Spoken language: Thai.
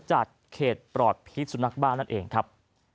จากเขตปลอดพิษสุนัขบ้านนั่นเองครับ